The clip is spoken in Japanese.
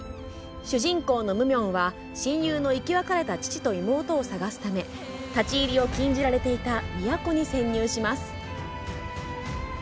主人公のムミョンは親友の生き別れた父と妹を探すため立ち入りを禁じられていた都に潜入します。